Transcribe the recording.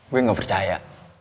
gue gak percaya